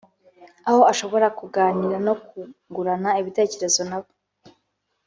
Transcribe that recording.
aho ashobora kuganira no kungurana ibitekerezo nabo